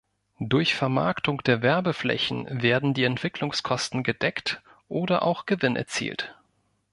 Durch Vermarktung der Werbeflächen werden die Entwicklungskosten gedeckt oder auch Gewinn erzielt.